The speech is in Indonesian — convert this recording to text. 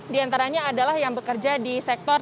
di antaranya adalah yang bekerja di sektor